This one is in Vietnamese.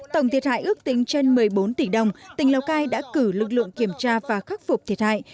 tổng thiệt hại ước tính trên một mươi bốn tỷ đồng tỉnh lào cai đã cử lực lượng kiểm tra và khắc phục thiệt hại